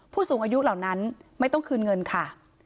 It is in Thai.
ผู้สูงอายุเหล่านั้นไม่ต้องคืนเงินค่ะ